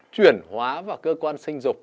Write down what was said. chuyển hóa vào cơ quan sinh dục